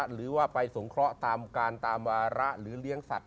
หรือว่าไปสงเคราะห์ตามการตามวาระหรือเลี้ยงสัตว